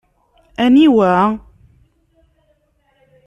Aniwa?